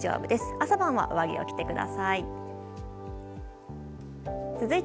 朝晩は上着を着てください。